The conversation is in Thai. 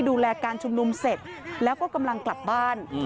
ดูแลการชุมนุมเสร็จแล้วก็กำลังกลับบ้าน